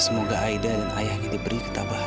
semoga aida dan ayah ini beri ketabahan